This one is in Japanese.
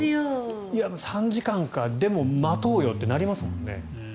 ３時間かでも待とうよってなりますもんね。